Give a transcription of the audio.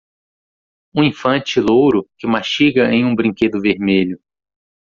Um infante louro que mastiga em um brinquedo vermelho.